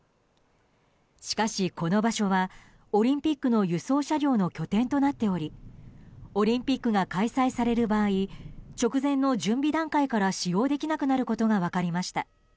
しかし、この場所はオリンピックの輸送車両の拠点となっておりオリンピックが開催される場合直前の準備段階から使用できなくなることが分かりました。